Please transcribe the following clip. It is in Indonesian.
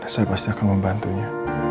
saya pasti akan membantunya